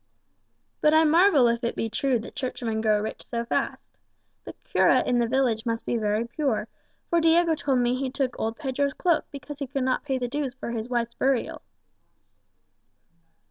"But I marvel if it be true that churchmen grow rich so fast. The cura in the village must be very poor, for Diego told me he took old Pedro's cloak because he could not pay the dues for his wife's burial."